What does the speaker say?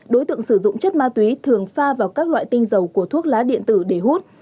đối tượng sử dụng chất ma túy thường pha vào các loại tinh dầu của thuốc lá điện tử để hút